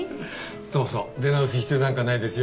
そうそう出直す必要なんかないですよ。